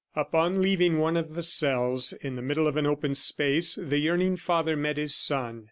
Upon leaving one of the cells, in the middle of an open space, the yearning father met his son.